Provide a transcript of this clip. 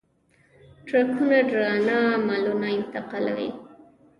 ټرکونه درانه مالونه انتقالوي.